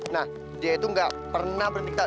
nah dia itu gak pernah berpikir